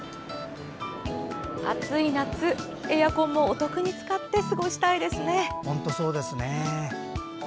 暑い夏、エアコンもお得に使って過ごしたいですね。